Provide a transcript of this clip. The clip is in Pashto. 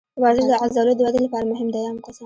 ورزش د عضلو د ودې لپاره مهم دی.